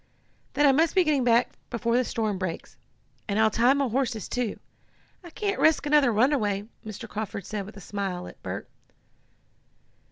"Then I must be getting back before the storm breaks. And I'll tie my horses, too. I can't risk another runaway," Mr. Carford said with a smile at Bert.